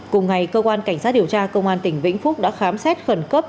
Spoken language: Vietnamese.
cùng ngày cơ quan cảnh sát điều tra công an tỉnh vĩnh phúc đã khám xét khẩn cấp